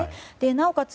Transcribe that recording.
なおかつ